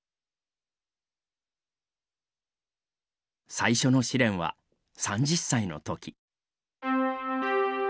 最初の試練は３０歳のとき。